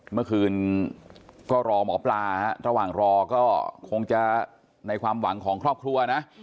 เมื่อคืนก็รอหมอปลาระหว่างรอก็คงจะในความหวังของครอบครัวนะ